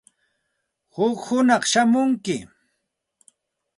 Huk hunaq shamunki.